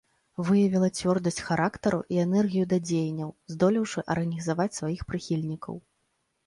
Выявіла цвёрдасць характару і энергію да дзеянняў, здолеўшы арганізаваць сваіх прыхільнікаў.